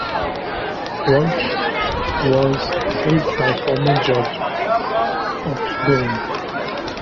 Walsh was helped by former judge Osbourne.